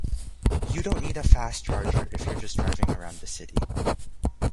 You don't need a fast charger if you're just driving around the city.